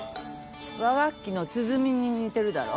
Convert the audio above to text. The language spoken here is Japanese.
和楽器の鼓に似てるだろ。